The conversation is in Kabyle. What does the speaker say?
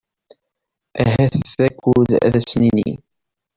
Ahat d akud ad as-nini.